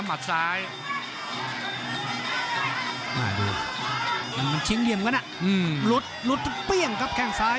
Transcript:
หลุดเปี้ยงกับแข่งซ้าย